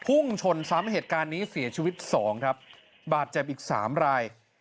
พุ่งชนซ้ำเหตุการณ์นี้เสียชีวิตสองครับบาดเจ็บอีกสามราย